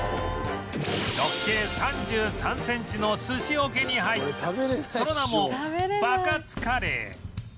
直径３３センチの寿司桶に入ったその名もバカツカレー